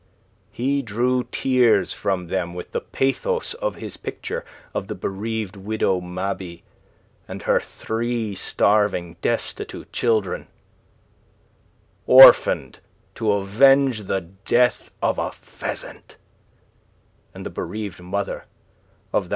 He drew tears from them with the pathos of his picture of the bereaved widow Mabey and her three starving, destitute children "orphaned to avenge the death of a pheasant" and the bereaved mother of that M.